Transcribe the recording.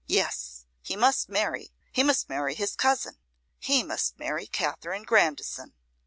Yes! he must marry; he must marry his cousin; he must marry Katherine Grandison.